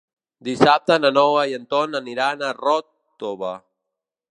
Dissabte na Noa i en Ton aniran a Ròtova.